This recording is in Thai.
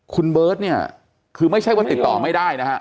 คุณเบิร์ตเนี่ยคือไม่ใช่ว่าติดต่อไม่ได้นะฮะ